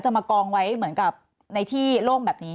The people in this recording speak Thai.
มากองไว้เหมือนกับในที่โล่งแบบนี้